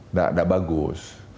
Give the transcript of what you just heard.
nggak ada bagus